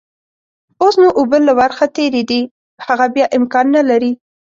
اوس نو اوبه له ورخ تېرې دي، هغه بيا امکان نلري.